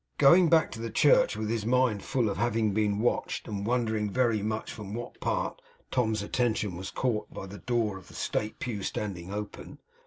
Going back to the church with his mind full of having been watched, and wondering very much from what part, Tom's attention was caught by the door of the state pew standing open.